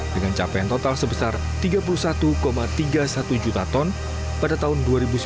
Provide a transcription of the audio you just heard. dengan capaian total sebesar tiga puluh satu tiga puluh satu juta ton pada tahun dua ribu sembilan belas